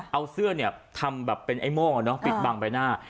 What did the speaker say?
เอาเสื้อเนี่ยทำแบบเป็นไอ้โม่งปิดบังใบหน้า